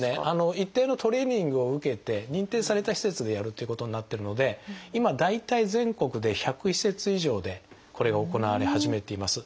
一定のトレーニングを受けて認定された施設でやるということになってるので今大体全国で１００施設以上でこれが行われ始めています。